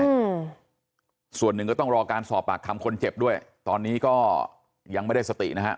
อืมส่วนหนึ่งก็ต้องรอการสอบปากคำคนเจ็บด้วยตอนนี้ก็ยังไม่ได้สตินะฮะ